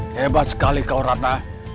hebat sekali kau ratna